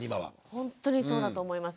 ほんとにそうだと思います。